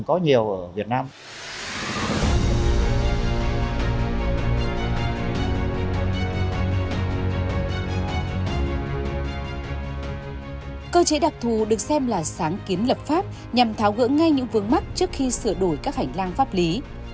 cơ chế đặc thù được xem là sáng kiến lập pháp nhằm tháo gỡ ngay những vướng mắc trước khi sửa đổi các hành lang pháp lý